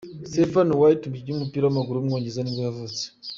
Stephen Wright, umukinnyi w’umupira w’amaguru w’umwongereza nibwo yavutse.